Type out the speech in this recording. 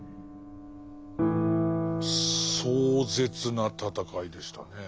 壮絶な戦いでしたねえ。